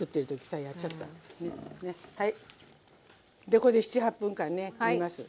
でこれで７８分間ね煮ます。